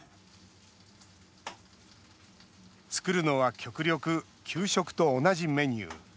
作るのは極力給食と同じメニュー。